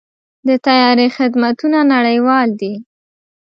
د طیارې خدمتونه نړیوال دي.